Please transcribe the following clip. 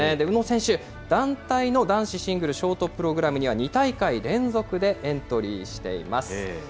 宇野選手、団体の男子シングルショートプログラムには、２大会連続でエントリーしています。